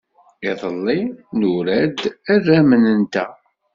Iḍelli, nura-d arramen-nteɣ.